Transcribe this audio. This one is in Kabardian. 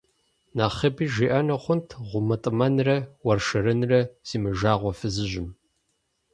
Нэхъыби жиӀэну хъунт гъумэтӀымэнрэ уэршэрынрэ зимыжагъуэ фызыжьым.